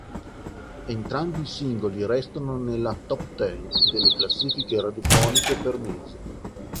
Entrambi i singoli restano nella "top ten" delle classifiche radiofoniche per mesi.